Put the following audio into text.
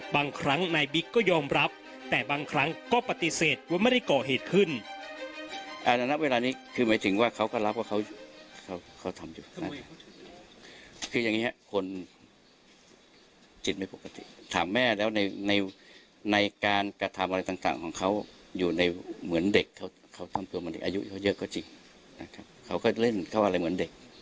บางครั้งนายบิ๊กก็ยอมรับแต่บางครั้งก็ปฏิเสธว่าไม่ได้ก่อเหตุขึ้น